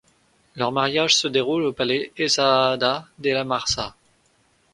Leur mariage se déroule au palais Essaâda de La Marsa.